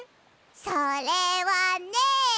それはね。